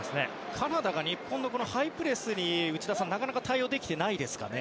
カナダが日本のハイプレスに内田さん、なかなか対応できてないですかね。